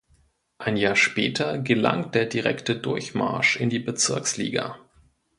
Ein Jahr später gelang der direkte Durchmarsch in die Bezirksliga.